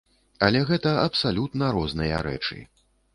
Але гэта абсалютна розныя рэчы.